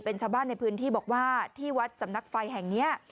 เป็นชาวบ้านในพื้นที่บอกว่าที่วัดสำนักไฟแห่งนี้